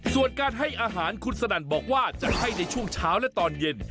ส่วนการให้อาหารคุณสนั่นบอกว่าจะให้ในช่วงเช้าและตอนเย็น